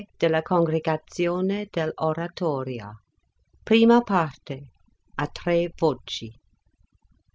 della Congergatione dell' Oratoria. Prima Parte, a tre voci.